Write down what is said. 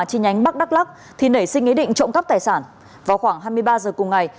chi nhánh bắc đắk lắc thì nảy sinh ý định trộm cắp tài sản vào khoảng hai mươi ba h cùng ngày